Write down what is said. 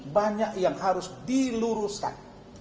banyak yang harus diluruskan